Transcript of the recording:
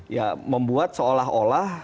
ya membuat seolah olah